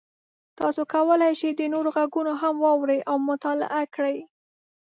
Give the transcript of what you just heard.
تاسو کولی شئ د نورو غږونه هم واورئ او مطالعه کړئ.